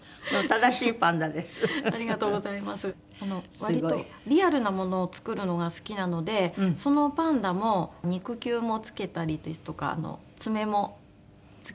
割とリアルなものを作るのが好きなのでそのパンダも肉球も付けたりですとか爪も付けたりですとか。